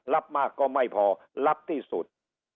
รับมากก็ไม่พอรับที่สุด